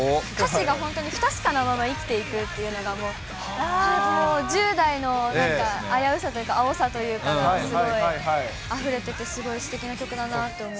歌詞が本当に不確かなまま生きていくっていうのが、１０代のなんか危うさというか、青さというか、すごいあふれててすごいすてきな曲だなと。